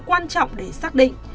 quan trọng để xác định